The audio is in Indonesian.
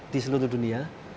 di seluruh dunia